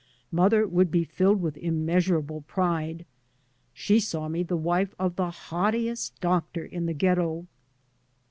Mother would be filled with immeasurable pride. She saw me the wife of the haughtiest doctor in the ghetto.